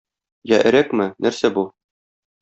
Я өрәкме, нәрсә бу?